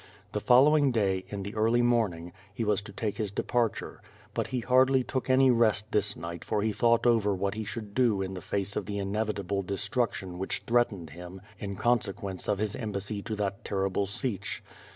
The following day, in the early morn ing, he was to take his departure; but he hardly took any rest this night for he thought over what he should do in the face of the inevitable destruction which threatened him, in consequence of his embassy to that terrible Sich.